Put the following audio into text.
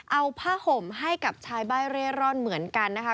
เอาผ้าห่มให้กับชายใบ้เร่ร่อนเหมือนกันนะคะ